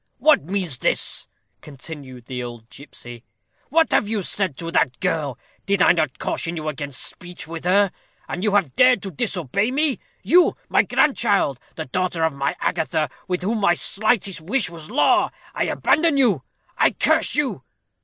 "What means this?" continued the old gipsy. "What have you said to that girl? Did I not caution you against speech with her? and you have dared to disobey me. You, my grandchild the daughter of my Agatha, with whom my slightest wish was law. I abandon you! I curse you!"